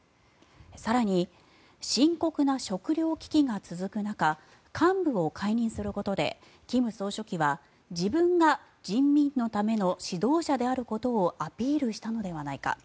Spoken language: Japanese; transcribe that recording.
更に、深刻な食糧危機が続く中幹部を解任することで金総書記は自分が人民のための指導者であることをアピールしたのではないか。